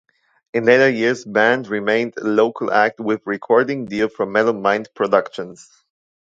In later years band remained local act with recording deal from Metal Mind Productions.